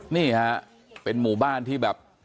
นี่ฮะเป็นหมู่บ้านที่แบบ